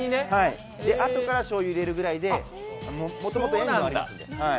あとからしょうゆを入れるぐらいで、もともと塩分ありますんで。